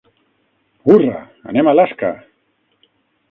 Hurra, anem a Alaska!